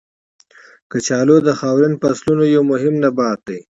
کچالو د خاورین فصلونو یو مهم نبات دی.